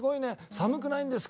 寒くないんですか？」。